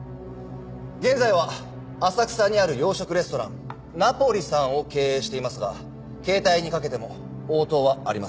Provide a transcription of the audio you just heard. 現在は浅草にある洋食レストラン「ナポリさん」を経営していますが携帯にかけても応答はありません。